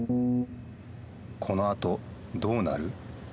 このあとどうなる？